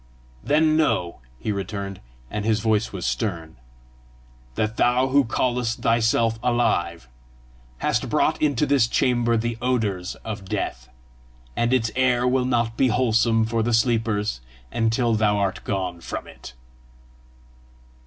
"Then know," he returned, and his voice was stern, "that thou who callest thyself alive, hast brought into this chamber the odours of death, and its air will not be wholesome for the sleepers until thou art gone from it!"